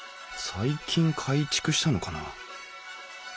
最近改築したのかなあ。